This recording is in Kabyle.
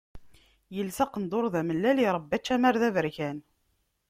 Yelsa aqendur d amellal, irebba ačamar d aberkan.